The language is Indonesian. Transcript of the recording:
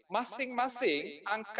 masing masing angka ini dalam berbeda